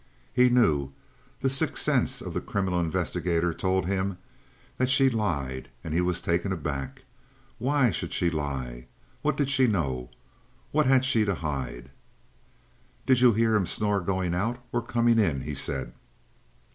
He knew the sixth sense of the criminal investigator told him that she lied, and he was taken aback. Why should she lie? What did she know? What had she to hide? "Did you hear him snore going out, or coming in?" he said.